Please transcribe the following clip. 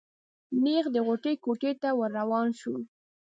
نېغ د غوټۍ کوټې ته ور روان شو.